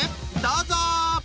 どうぞ！